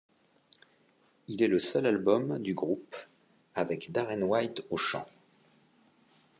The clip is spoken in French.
Il est le seul album du groupe avec Darren White au chant.